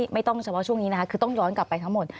เฉพาะช่วงนี้นะคะคือต้องย้อนกลับไปทั้งหมด